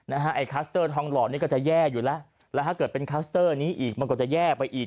ไอ้คัสเตอร์ทองหล่อนี่ก็จะแย่อยู่แล้วแล้วถ้าเกิดเป็นคลัสเตอร์นี้อีกมันก็จะแย่ไปอีก